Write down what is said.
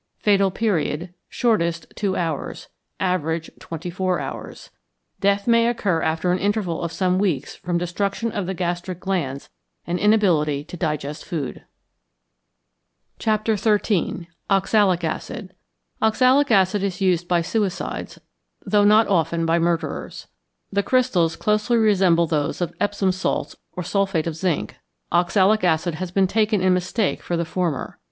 Fatal Period. Shortest, two hours; average, twenty four hours. Death may occur after an interval of some weeks from destruction of the gastric glands and inability to digest food. XIII. OXALIC ACID =Oxalic Acid= is used by suicides, though not often by murderers. The crystals closely resemble those of Epsom salts or sulphate of zinc; oxalic acid has been taken in mistake for the former.